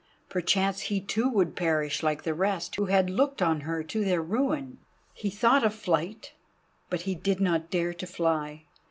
Perchance he too would perish like the rest who had looked on her to their ruin. He thought of flight, but he did not dare to fly.